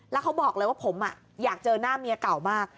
แล้วเขาบอกเลยว่าผมอยากเจอหน้าเมียเก่ามาก